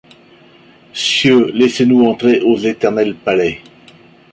Cieux, laissez-nous entrer aux éternels palais !